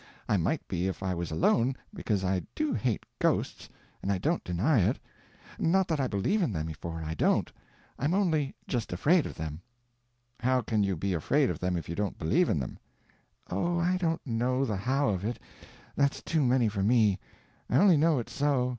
I might be if I was alone, because I do hate ghosts, and I don't deny it. Not that I believe in them, for I don't. I'm only just afraid of them." "How can you be afraid of them if you don't believe in them?" "Oh, I don't know the how of it—that's too many for me; I only know it's so.